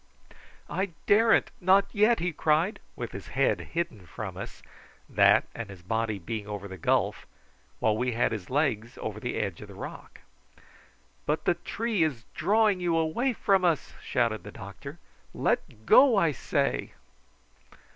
"I daren't, not yet," he cried, with his head hidden from us, that and his body being over the gulf, while we had his legs over the edge of the rock. "But the tree is drawing you away from us," shouted the doctor. "Let go, I say."